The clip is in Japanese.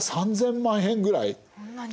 そんなに。